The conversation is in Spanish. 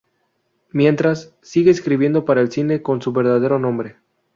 Mientras, sigue escribiendo para el cine con su verdadero nombre.